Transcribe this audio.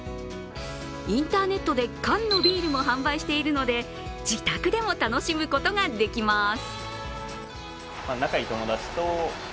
インターネットで缶のビールも販売しているので自宅でも楽しむことができます。